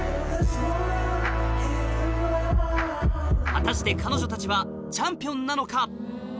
果たして彼女たちはチャンピオンなのか？